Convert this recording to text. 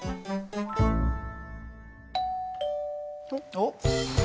おっ。